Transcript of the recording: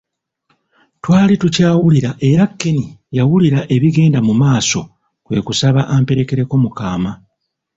Twali tukyawulira era Ken yawulira ebigenda mu maaso kwe kusaba amperekereko mu kaama.